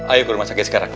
ayo ke rumah sakit sekarang